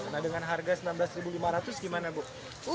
nah dengan harga rp sembilan belas lima ratus gimana bu